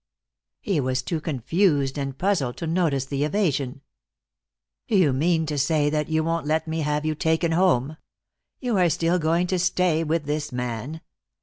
He was too confused and puzzled to notice the evasion. "Do you mean to say that you won't let me have you taken home? You are still going to stay with this man?